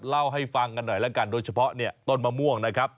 เล่าให้ฟังกันหน่อยแล้วกันโดยเฉพาะเนี่ยต้นมะม่วงนะครับ